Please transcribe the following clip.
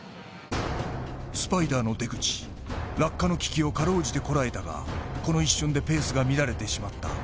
スパイダーの出口、落下の危機をかろうじてこらえたがこの一瞬でペースが乱れてしまった。